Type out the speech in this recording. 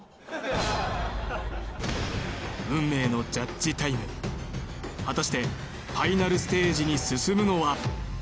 運命のジャッジタイム果たしてファイナルステージに進むのは？